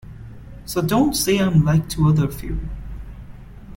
So don't say I'm like to other few.